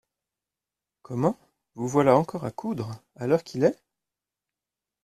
Comment ! vous voilà encore à coudre, à l’heure qu’il est ?